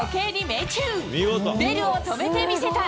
ベルを止めてみせた。